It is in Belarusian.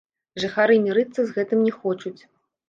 Жыхары мірыцца з гэтым не хочуць.